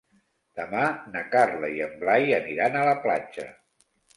Demà na Carla i en Blai aniran a la platja.